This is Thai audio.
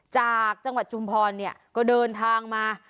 จากจังหวัดจุมพลก็เดินทางมา